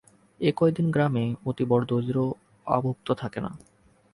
এ কয়দিন গ্রামে অতি বড় দরিদ্রও আভুক্ত থাকে না।